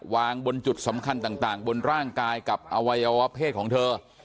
วางบนจุดสำคัญต่างบนร่างกายกับอวัยวะเพศของเธอ